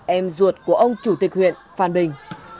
em ruột của ông chủ tịch huyện phan bình